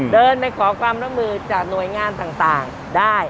เดินไปขอความร่วมมือจากหน่วยงานต่างได้